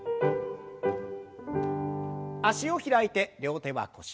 脚を開いて両手は腰の横に。